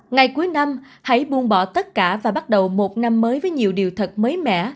ngày cuối năm hãy buông bỏ tất cả và bắt đầu một năm mới với nhiều điều thật mới mẻ